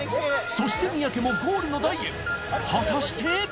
そして三宅もゴールの台へ果たして？